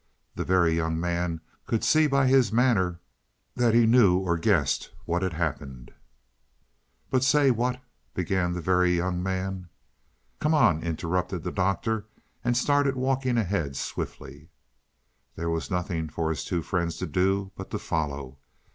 The Very Young Man could see by his manner that he knew or guessed what had happened. "But say; what " began the Very Young Man. "Come on," interrupted the Doctor, and started walking ahead swiftly. There was nothing for his two friends to do but to follow.